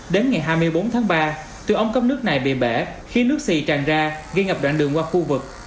đến ngày hai mươi bốn tháng ba tuyến ống cấp nước này bị bể khiến nước xì tràn ra gây ngập đoạn đường qua khu vực